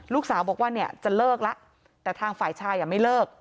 ลูกสาวบอกว่าเนี่ยจะเลิกแล้วแต่ทางฝ่ายชายไม่เลิก